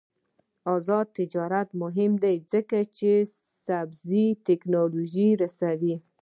آزاد تجارت مهم دی ځکه چې سبز تکنالوژي رسوي.